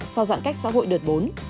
sau giãn cách xã hội đợt bốn